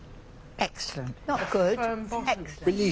はい。